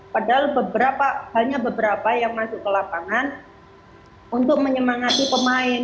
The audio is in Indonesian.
padahal hanya beberapa yang masuk ke lapangan untuk menyemangati pemain